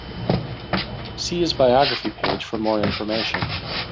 See his biography page for more information.